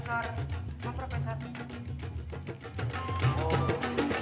saya udah ada jualnya